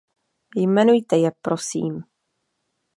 Jmenujte je, prosím.